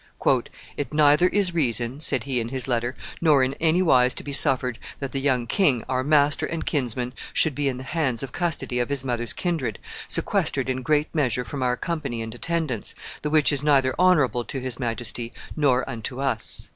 "It neyther is reason," said he in his letter, "nor in any wise to be suffered that the young kynge, our master and kinsman, should be in the hands of custody of his mother's kindred, sequestered in great measure from our companie and attendance, the which is neither honorable to hys majestie nor unto us."